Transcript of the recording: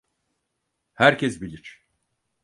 Herkes bilir.